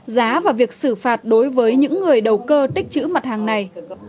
giá và việc xử phạt đối với những người đầu cơ tích chữ mặt hàng này